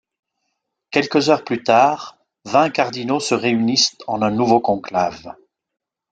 Quelques heures plus tard, vingt cardinaux se réunissent en un nouveau conclave.